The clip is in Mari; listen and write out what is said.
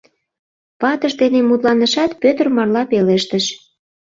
Ватыж дене мутланышат, Пӧтыр марла пелештыш: